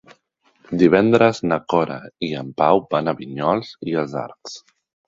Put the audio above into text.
Divendres na Cora i en Pau van a Vinyols i els Arcs.